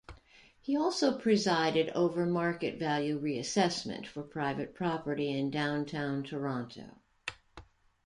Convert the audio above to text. He also presided over market value reassessment for private property in downtown Toronto.